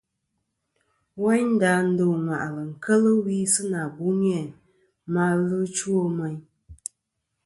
Wayndà dô ŋwàʼlɨ keli wi si na buni a ma ɨlvɨ ɨ chow meyn.